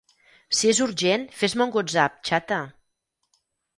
Si és urgent, fes-me un whatsapp, xata.